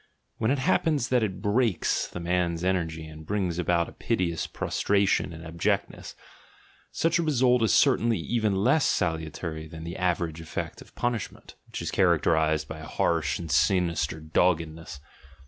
When it happens that it breaks the man's energy and brings about a piteous prostration and abjectness, such a result is certainly even less salutary than the average effect of punishment, which is character ised by a harsh and sinister doggedness.